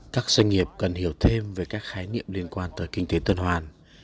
các doanh nghiệp cần hiểu thêm về các khái niệm liên quan tới kinh tế tuần hoàn